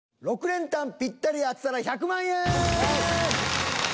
６連単ぴったり当てたら１００万円！